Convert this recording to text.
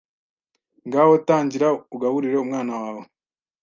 Ngaho tangira ugaburire umwana wawe